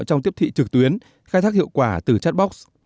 trong tiếp thị trực tuyến khai thác hiệu quả từ chatbox